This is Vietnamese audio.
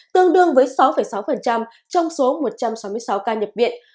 tương đương với sáu sáu trong số một trăm sáu mươi sáu ca nhập viện